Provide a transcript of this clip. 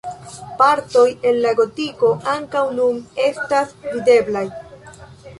Partoj el la gotiko ankaŭ nun estas videblaj.